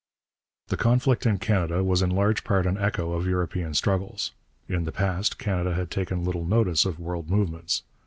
The conflict in Canada was in large part an echo of European struggles. In the past Canada had taken little notice of world movements.